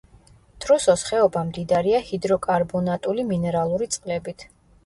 თრუსოს ხეობა მდიდარია ჰიდროკარბონატული მინერალური წყლებით.